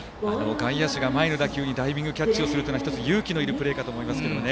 外野手が前の打球にダイビングキャッチをするのは勇気がいるプレーかと思いますけどね。